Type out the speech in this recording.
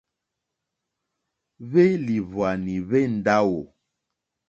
Hwélìhwwànì hwé ndáwò.